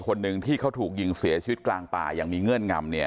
คนหนึ่งที่เขาถูกยิงเสียชีวิตกลางป่าอย่างมีเงื่อนงำเนี่ย